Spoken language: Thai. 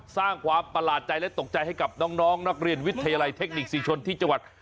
สร้างความประหลาดใจและตกใจให้กับน้องนักเรียนวิทยาลัยเทคนิคศรีชนที่จังหวัด